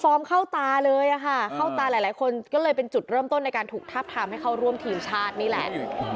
เข้าตาเลยอะค่ะเข้าตาหลายคนก็เลยเป็นจุดเริ่มต้นในการถูกทับทามให้เข้าร่วมทีมชาตินี่แหละ